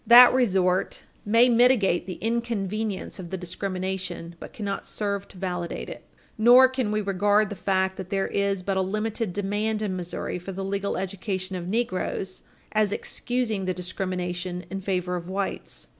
That resort may mitigate the inconvenience of the discrimination, but cannot serve to validate it. Nor can we regard the fact that there is but a limited demand in Missouri for the legal education of negroes as excusing the discrimination in favor of whites.